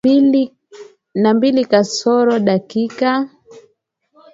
na mbili kasoro dakika